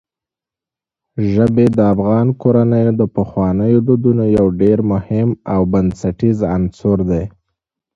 ژبې د افغان کورنیو د پخوانیو دودونو یو ډېر مهم او بنسټیز عنصر دی.